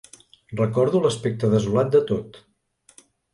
Recordo l'aspecte desolat de tot